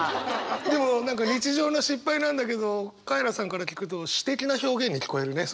でも何か日常の失敗なんだけどカエラさんから聞くと詩的な表現に聞こえるね。